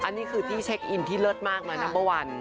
อันนี้คือที่เช็คอินที่เลิศมากเลยนะเบอร์วัน